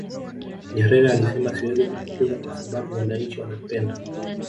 nyerere alisema siwezi kumfukuza kwa sababu wananchi wanampenda